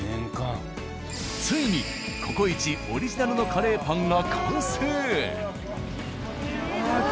ついに「ココイチ」オリジナルのカレーパンが完成。